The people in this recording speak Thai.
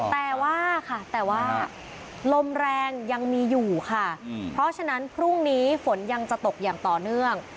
แต่ว่าค่ะแต่ว่าลมแรงยังมีอยู่ค่ะเพราะฉะนั้นพรุ่งนี้ฝนยังจะตกอย่างต่อเนื่อง